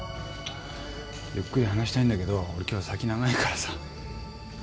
ゆっくり話したいんだけど俺今日は先長いからさ。